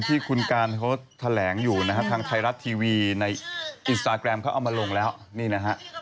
ที่คุณการเขาแถลงอยู่นะฮะทางไทยรัฐทีวีในอินสตาแกรมเขาเอามาลงแล้วนี่นะฮะ